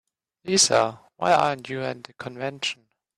Lisa, why aren't you at the convention?